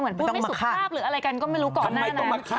เหมือนพูดไม่สุขภาพหรืออะไรกันก็ไม่รู้ก่อนหน้าน่ะทำไมต้องมาค่ะ